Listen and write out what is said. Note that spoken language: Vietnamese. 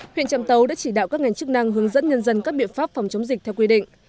huyện trạm tấu đã chỉ đạo các ngành chức năng hướng dẫn nhân dân các biện pháp phòng chống dịch theo quy định